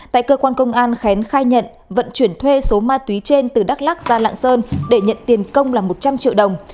tại cơ quan công an khén khai nhận vận chuyển thuê số ma túy trên từ đắk lắc ra lạng sơn để nhận tiền công là một trăm linh triệu đồng